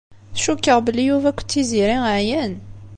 Cukkeɣ belli Yuba akked Tiziri ɛyan.